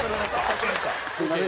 すみません